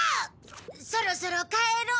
そろそろ帰ろう。